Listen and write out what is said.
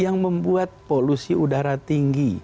yang membuat polusi udara tinggi